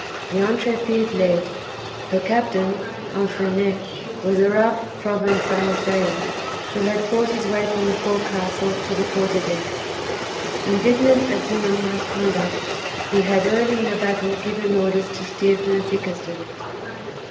The "Intrépide" led. Her captain, Infernet, was a rough Provençal sailor, who had fought his way from the forecastle to the quarter deck. Indignant at Dumanoir's conduct, he had early in the battle given orders to steer for the thickest of it.